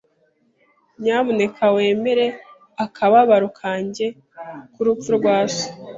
Nyamuneka wemere akababaro kanjye ku rupfu rwa so.